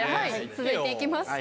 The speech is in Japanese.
続いて行きます。